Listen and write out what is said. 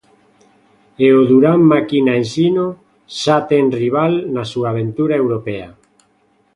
E o Durán Maquina Ensino, xa ten rival na súa aventura europea.